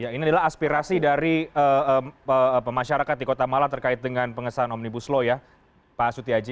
ya ini adalah aspirasi dari masyarakat di kota malang terkait dengan pengesahan omnibus law ya pak sutiaji